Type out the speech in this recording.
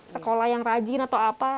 sekolah yang rajin atau apa